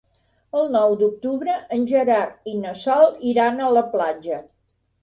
El nou d'octubre en Gerard i na Sol iran a la platja.